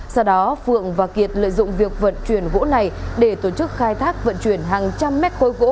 sau đó phượng và kiệt lợi dụng việc vận chuyển gỗ này để tổ chức khai thác vận chuyển hàng trăm mét khối gỗ